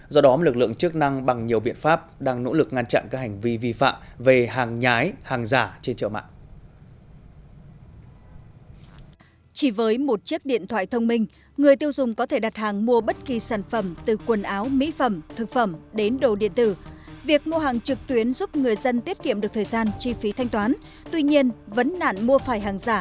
do đó lực lượng chức năng bằng nhiều biện pháp đang nỗ lực ngăn chặn các hành vi vi phạm về hàng nhái hàng giả trên chợ mạng